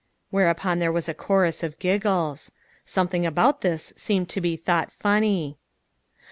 Whereupon there was a chorus of giggles. Something about this seemed to be thought funny.